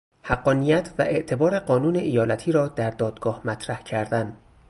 حقانیت و اعتبار قانون ایالتی را در دادگاه مطرح کردن